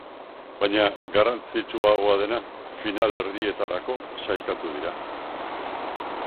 Baina garrantzitsuagoa dena, finalerdietarako sailkatu dira.